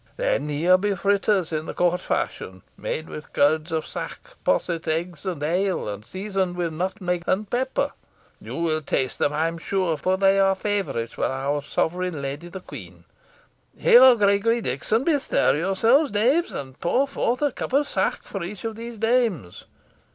Then here be fritters in the court fashion, made with curds of sack posset, eggs and ale, and seasoned with nutmeg and pepper. You will taste them, I am sure, for they are favourites with our sovereign lady, the queen. Here, Gregory, Dickon bestir yourselves, knaves, and pour forth a cup of sack for each of these dames.